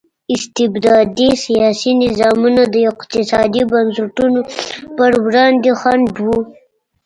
استبدادي سیاسي نظامونه د اقتصادي بنسټونو پر وړاندې خنډ وو.